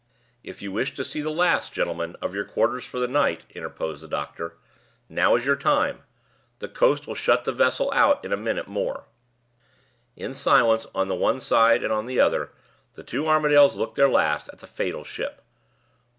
"If you wish to see the last, gentlemen, of your quarters for the night," interposed the doctor, "now is your time! The coast will shut the vessel out in a minute more." In silence on the one side and on the other, the two Armadales looked their last at the fatal ship.